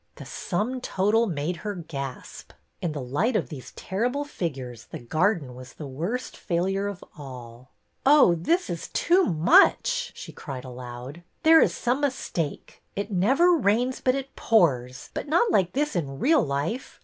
The sum total made her gasp. In the light of these terrible figures the garden was the worst failure of all ! "Oh, this is too much!" she cried aloud. " There is some mistake. It never rains but it pours, but not like this in real life.